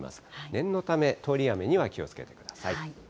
念のため、通り雨には気をつけてください。